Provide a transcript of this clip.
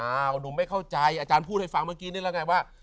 หนุ่มไม่เข้าใจอาจารย์พูดให้ฟังเมื่อกี้นี่แล้วไงว่า